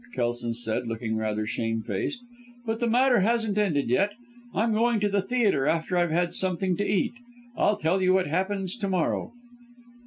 Kelson said looking rather shamefaced, "But the matter hasn't ended yet. I'm going to the theatre after I've had something to eat. I'll tell you what happens, to morrow."